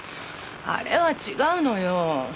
あれは違うのよ。